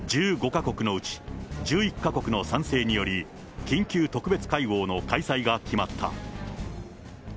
１５か国のうち１１か国の賛成により、緊急特別会合の開催が決まった。